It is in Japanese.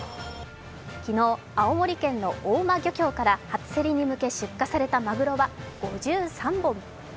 昨日、青森県の大間漁協からはつせりに向け出荷されたまぐろは５３本。